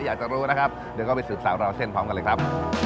อยากจะรู้นะครับเดี๋ยวก็ไปสืบสาวราวเส้นพร้อมกันเลยครับ